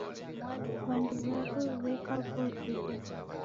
W'andu w'aro w'eka w'oruw'o.